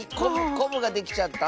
こぶができちゃった？